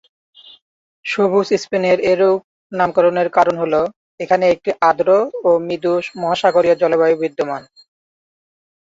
সবুজ স্পেনের এরূপ নামকরণের কারণ হল এখানে একটি আর্দ্র ও মৃদু মহাসাগরীয় জলবায়ু বিদ্যমান।